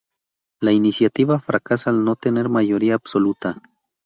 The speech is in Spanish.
La iniciativa fracasa al no tener mayoría absoluta.